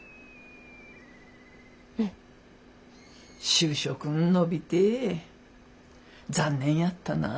就職ん延びて残念やったなぁ。